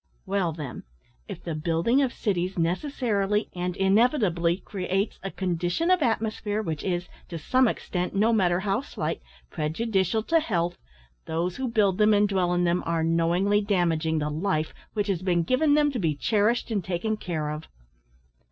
"Well, then, if the building of cities necessarily and inevitably creates a condition of atmosphere which is, to some extent, no matter how slight, prejudicial to health, those who build them and dwell in them are knowingly damaging the life which has been given them to be cherished and taken care of."